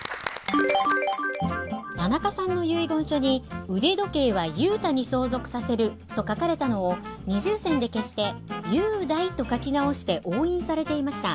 田中さんの遺言書に「腕時計は雄太に相続させる」と書かれたのを二重線で消して「雄大」と書き直して押印されていました。